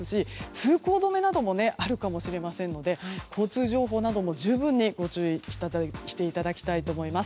通行止めなどもあるかもしれませんので交通情報なども十分にご注意していただきたいと思います。